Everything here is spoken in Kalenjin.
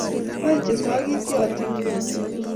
Ba-ei che sogityotin kot;